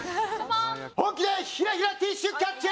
本気でヒラヒラティッシュキャッチ！